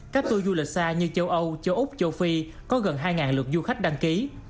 các tour du lịch xa như châu âu châu úc châu phi có gần hai lượt du khách đăng ký